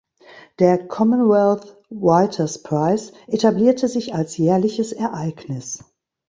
Der "Commonwealth Writers’ Prize" etablierte sich als jährliches Ereignis.